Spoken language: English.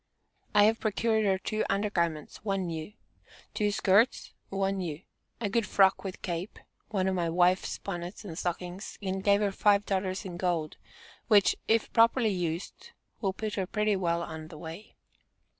I have procured her two under garments, one new; two skirts, one new; a good frock with cape; one of my wife's bonnets and stockings, and gave her five dollars in gold, which, if properly used, will put her pretty well on the way.